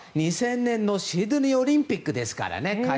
２０００年のシドニーオリンピックですからね